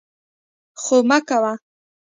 خو مه کوه!